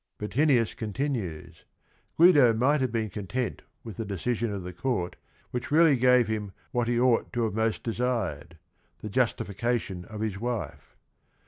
" Bottinius continues: Guido might have been content with the decision of the court which really gave him what he ought to have most de sired, the justification of his wife.